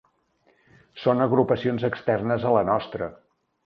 Són agrupacions externes a la nostra.